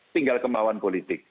tinggal kemauan politik